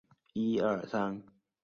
经费由美国供给。